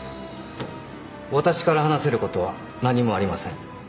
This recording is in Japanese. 私から話せることは何もありません。